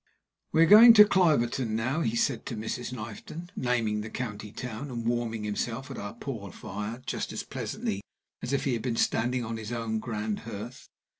"We are going to Cliverton now," he said to Mrs. Knifton, naming the county town, and warming himself at our poor fire just as pleasantly as if he had been standing on his own grand hearth.